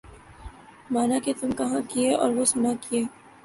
مانا کہ تم کہا کیے اور وہ سنا کیے